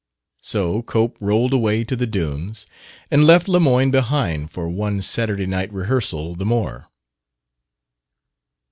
So Cope rolled away to the dunes and left Lemoyne behind for one Saturday night rehearsal the more.